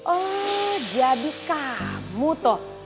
oh jadi kamu tuh